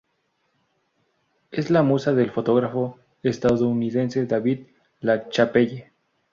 Es la musa del fotógrafo estadounidense David LaChapelle.